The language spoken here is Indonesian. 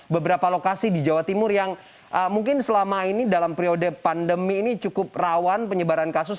beberapa lokasi di jawa timur yang mungkin selama ini dalam periode pandemi ini cukup rawan penyebaran kasus